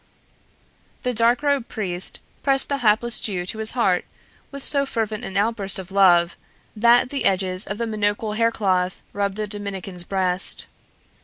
The dark robed priest pressed the hapless Jew to his heart with so fervent an outburst of love, that the edges of the monochal haircloth rubbed the Dominican's breast.